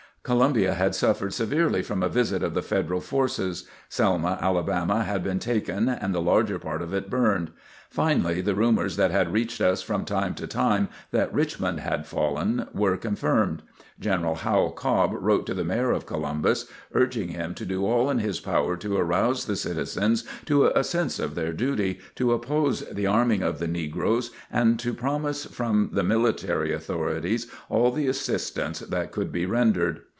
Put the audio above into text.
Columbia had suffered severely from a visit of the Federal forces. Selma, Alabama, had been taken and the larger part of it burned. Finally the rumors that had reached us from time to time, that Richmond had fallen, were confirmed. General Howell Cobb wrote to the Mayor of Columbus, urging him to do all in his power to arouse the citizens to a sense of their duty, to oppose the arming of the negroes, and to promise from the military authorities all the assistance that could be rendered.